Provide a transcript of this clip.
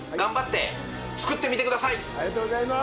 ありがとうございます！